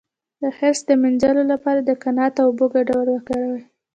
د حرص د مینځلو لپاره د قناعت او اوبو ګډول وکاروئ